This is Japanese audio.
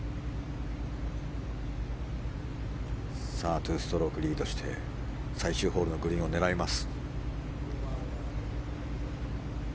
２ストロークリードして最終ホールのグリーンを狙います。